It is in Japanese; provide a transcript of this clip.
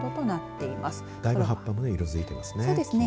だいぶ葉っぱも色づいていますね。